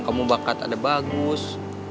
kamu bakat ada bagus